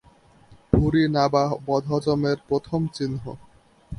ভুঁড়ি নাবা বদহজমের প্রথম চিহ্ন।